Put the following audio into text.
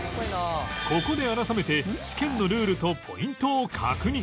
ここで改めて試験のルールとポイントを確認